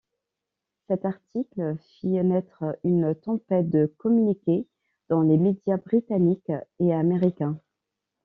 Cet article fit naître une tempête de communiqués dans les médias britanniques et américains.